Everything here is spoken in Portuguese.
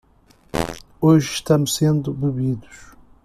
Hoje estamos sendo bebidos